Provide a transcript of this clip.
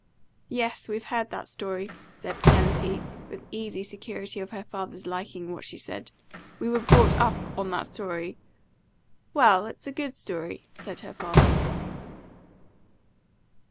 "Yes; we've heard that story," said Penelope, with easy security of her father's liking what she said. "We were brought up on that story." "Well, it's a good story," said her father.